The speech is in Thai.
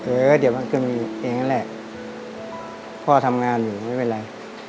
เออเดี๋ยวมันก็มีเองนั่นแหละพ่อทำงานอยู่ไม่เป็นไร